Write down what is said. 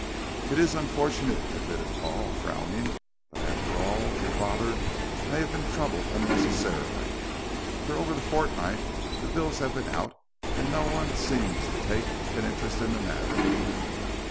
"It is unfortunate," admitted Paul, frowning. "But, after all, your father may have been troubled unnecessarily. For over the fortnight the bills have been out and no one seems to take an interest in the matter."